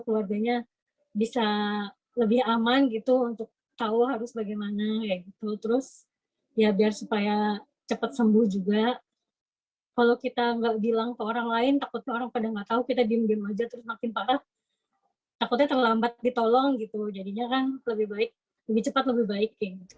jadinya kan lebih baik lebih cepat lebih baik